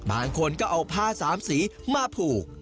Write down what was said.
บางคนก็เอาผ้าสามสีมาผูก